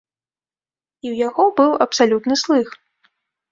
І ў яго быў абсалютны слых!